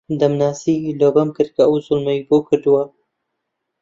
دەمناسی، لۆمەم کرد کە ئەو زوڵمەی بۆ کردووە